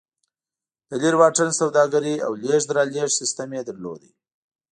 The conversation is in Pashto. د لېرې واټن سوداګري او لېږد رالېږد سیستم یې درلود